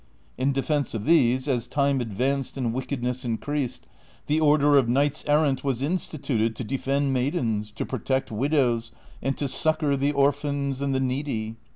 In defence of these, as time advanced and wickedness increased, the order of knights errant was instituted, to defend maidens, to protect widows, and to succor the orphans and the needy.